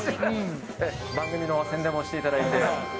番組の宣伝もしていただいて。